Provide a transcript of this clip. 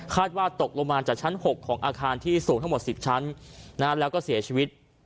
ว่าตกลงมาจากชั้น๖ของอาคารที่สูงทั้งหมด๑๐ชั้นแล้วก็เสียชีวิต